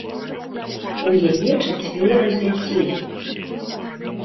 У яе чацвёра дзяцей.